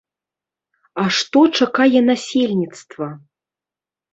А што чакае насельніцтва?